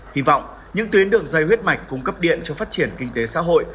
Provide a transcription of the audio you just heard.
hy vọng những tuyến đường dây huyết mạch cung cấp điện cho phát triển kinh tế xã hội